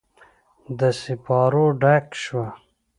د سیپارو ډکه شوه